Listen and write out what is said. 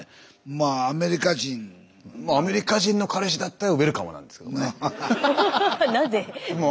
まあアメリカ人の彼氏だったらウエルカムなんですけどね。